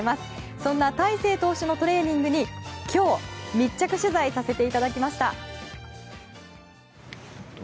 そんな大勢投手のトレーニングに今日密着取材させていただきました。